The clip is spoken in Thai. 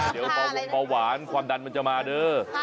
เดี๋ยวพอหวานความดันมันจะมาเด้อ